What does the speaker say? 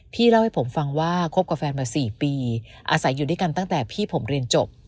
เล่าให้ผมฟังว่าคบกับแฟนมา๔ปีอาศัยอยู่ด้วยกันตั้งแต่พี่ผมเรียนจบ